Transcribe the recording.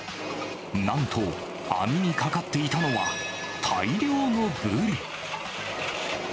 なんと、網にかかっていたのは、大量のブリ。